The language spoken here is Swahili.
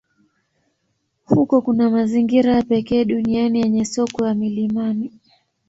Huko kuna mazingira ya pekee duniani yenye sokwe wa milimani.